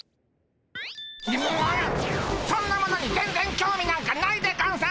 そんなものに全然興味なんかないでゴンス！